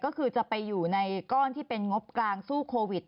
ก็คือจะไปอยู่ในก้อนที่เป็นงบกลางสู้โควิด